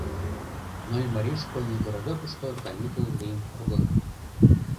Нольмарий школьный городокышто каникул лийын огыл.